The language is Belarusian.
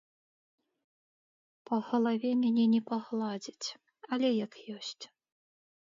Па галаве мяне не пагладзяць, але як ёсць.